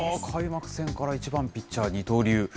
開幕戦から１番ピッチャー、二刀流。